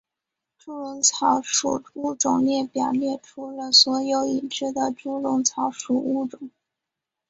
猪笼草属物种列表列出了所有已知的猪笼草属物种。